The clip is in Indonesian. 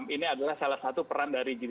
ini adalah salah satu peran dari